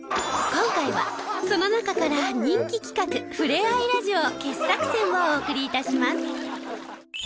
今回はその中から人気企画「ふれあいラジオ傑作選」をお送り致します。